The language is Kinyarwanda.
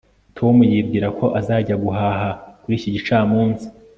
tom yibwira ko azajya guhaha kuri iki gicamunsi